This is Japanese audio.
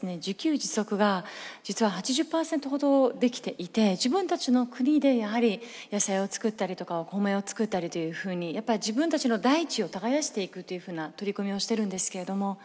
自給自足が実は８０％ほどできていて自分たちの国でやはり野菜を作ったりとかお米を作ったりというふうにやっぱり自分たちの大地を耕していくというふうな取り組みをしてるんですけれども。